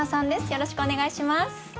よろしくお願いします。